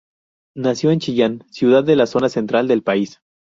Nació en Chillán, ciudad de la zona central del país.